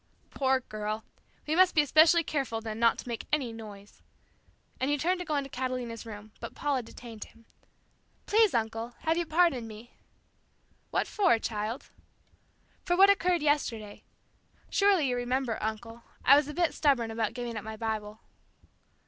"Poor girl! We must be especially careful then not to make any noise," and he turned to go into Catalina's room, but Paula detained him. "Please, uncle, have you pardoned me?" "What for, child?" "For what occurred yesterday. Surely you remember, uncle. I was a bit stubborn about giving up my Bible."